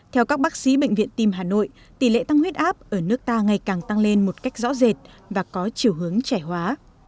theo các bác sĩ bệnh viện tim hà nội tỷ lệ tăng huyết áp ở nước ta ngày càng tăng lên một cách rõ rệt và có chiều hướng trẻ hóa